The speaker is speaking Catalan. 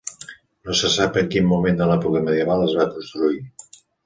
No se sap en quin moment de l'època medieval es va construir.